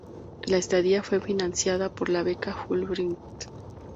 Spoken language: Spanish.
La estadía fue financiada por la beca Fulbright.